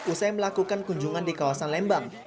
usai melakukan kunjungan di kawasan lembang